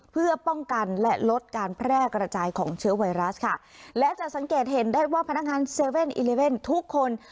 เพื่อป้องกันและลดการแพร่กระจายของเชื้อไวรัสค่ะและจะสังเกตเห็นได้ว่าพนักงาน๗๑๑ทุกคน